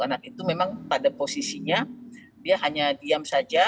anak itu memang pada posisinya dia hanya diam saja